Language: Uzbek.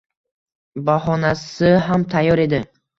Bahonasi ham tayyor edi